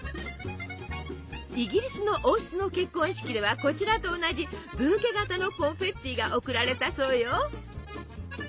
イギリスの王室の結婚式ではこちらと同じブーケ形のコンフェッティが贈られたそうよ。